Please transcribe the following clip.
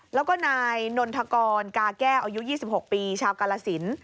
แล้วก็นายนนทกรกาแก้วอายุ๒๖ปีชาวกาลสิน